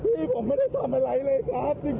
นี่ผมไม่ได้ทำอะไรเลยครับ